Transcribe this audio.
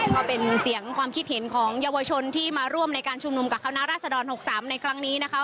ก็เป็นเสียงความคิดเห็นของเยาวชนที่มาร่วมในการชุมนุมกับคณะราษฎร๖๓ในครั้งนี้นะคะ